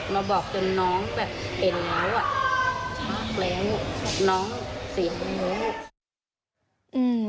มาบอกจนน้องแบบเป็นแล้วชักแล้วน้องเสียชีวิต